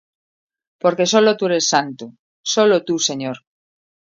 porque sólo tú eres Santo, sólo tú Señor,